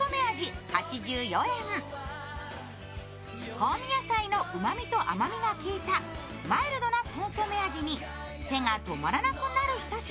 香味野菜のうまみと甘みが効いたマイルドなコンソメ味に手が止まらなくなるひと品。